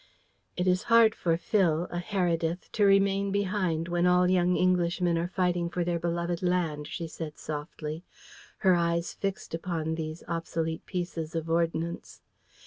"It is hard for Phil, a Heredith, to remain behind when all young Englishmen are fighting for their beloved land," she said softly, her eyes fixed upon these obsolete pieces of ordnance.